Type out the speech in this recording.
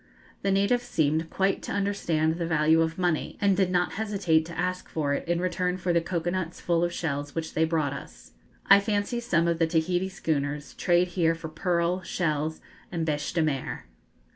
The natives seemed quite to understand the value of money, and did not hesitate to ask for it in return for the cocoa nuts full of shells which they brought us. I fancy some of the Tahiti schooners trade here for pearl, shells, and bêche de mer.